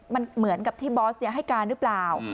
มันเหมือนกับที่บอสให้การหรือเปล่า